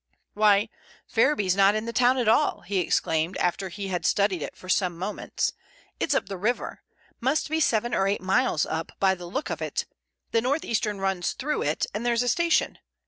"Why, Ferriby's not in the town at all," he exclaimed after he had studied it for some moments. "It's up the river—must be seven or eight miles up by the look of it; the North Eastern runs through it and there's a station.